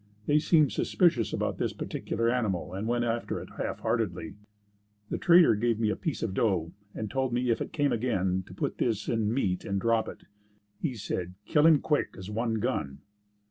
They seemed suspicious about this particular animal, and went after it half heartedly. The trader gave me a piece of dough and told me if it came again to put this in meat and drop it. He said "Kill him quick as one gun."